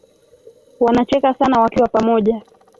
Wanacheka sana wakiwa pamoja